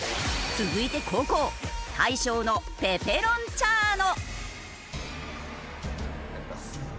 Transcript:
続いて後攻大昇のペペロンチャーノ。